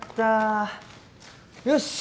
よし。